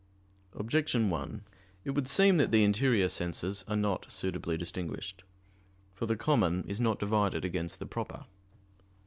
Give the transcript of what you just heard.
Objection 1: It would seem that the interior senses are not suitably distinguished. For the common is not divided against the proper.